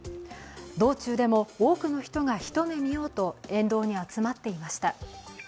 道中でも多くの人が一目見ようと沿道に集まっていました。